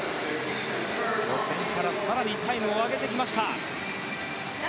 予選から更にタイムを上げてきました。